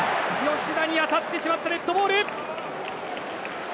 吉田に当たってデッドボール。